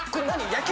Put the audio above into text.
野球。